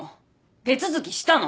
手続きしたの！